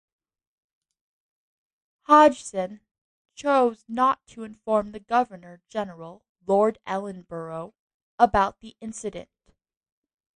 Hodgson chose not to inform the governor-general, Lord Ellenborough, about the incident.